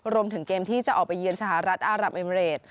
รวมถึงเกมที่จะออกไปเยือนสหรัฐอารับเอมิเรด